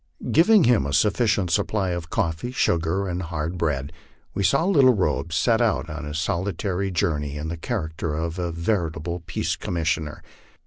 Giving him a sufficient supply of coffee, sugar, and hard bread, we saw Little Robe set out on his solitary journey in the character of a veritable peace commissioner.